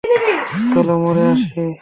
চল, মরে আসি।